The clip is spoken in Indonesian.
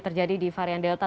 terjadi di fathia